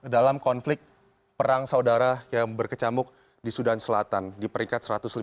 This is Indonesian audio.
dalam konflik perang saudara yang berkecamuk di sudan selatan di peringkat satu ratus lima puluh